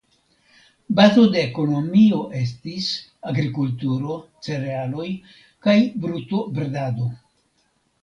Bazo de ekonomio estis agrikulturo (cerealoj) kaj brutobredado.